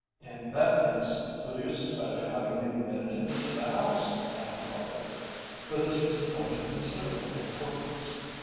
"In that case, who do you suspect of having admitted him to the house?" I enquired, for this was a point of considerable importance.